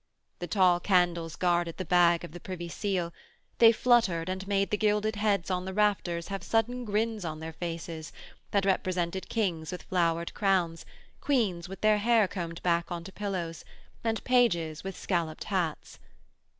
The tall candles guarded the bag of the Privy Seal, they fluttered and made the gilded heads on the rafters have sudden grins on their faces that represented kings with flowered crowns, queens with their hair combed back on to pillows, and pages with scolloped hats.